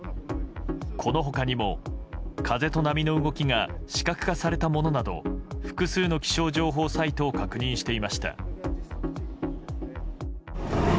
この他にも風と波の動きが視覚化されたものなど複数の気象情報サイトを確認していました。